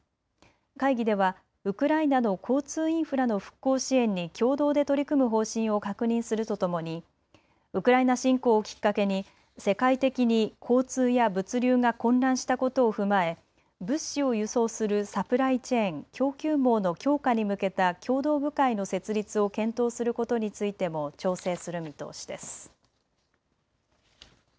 会議ではウクライナの交通インフラの復興支援に共同で取り組む方針を確認するとともにウクライナ侵攻をきっかけに世界的に交通や物流が混乱したことを踏まえ物資を輸送するサプライチェーン・供給網の強化に向けた協働部会の設立を検討することについても調整する見通しです。